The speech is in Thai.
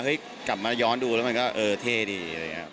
เฮ้ยกลับมาย้อนดูแล้วมันก็เท่ดี